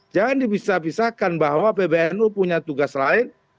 jangan dipisah pisahkan bahwa pbnu punya tugas lain